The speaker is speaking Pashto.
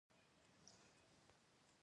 د مني هوا خشکه وي